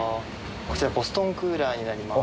こちら、ボストンクーラーになります。